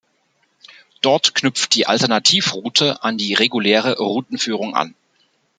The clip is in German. Dort knüpft die Alternativroute an die reguläre Routenführung an.